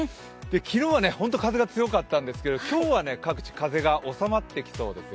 昨日は風が強かったんですけど、今日は各地、風が収まってきそうですよ。